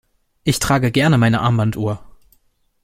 Ich trage gerne meine Armbanduhr.